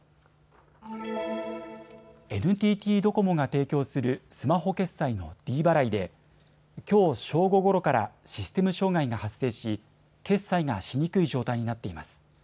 ＮＴＴドコモが提供するスマホ決済のｄ払いできょう正午ごろからシステム障害が発生し決済がしにくい状態になっています。